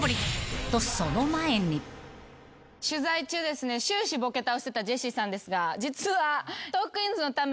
取材中ですね終始ボケ倒してたジェシーさんですが。